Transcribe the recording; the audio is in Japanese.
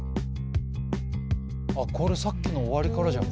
あっこれさっきの終わりからじゃん。